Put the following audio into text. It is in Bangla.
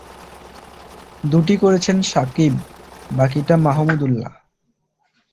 দুটি করেছেন সাকিব, বাকিটা মাহমুদউল্লাহ।